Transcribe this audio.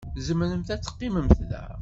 Zemrent ad qqiment da.